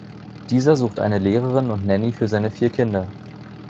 Dieser sucht eine Lehrerin und Nanny für seine vier Kinder.